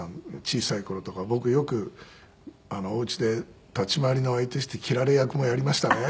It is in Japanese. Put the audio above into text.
小さい頃とか僕よくお家で立ち回りの相手して斬られ役もやりましたね。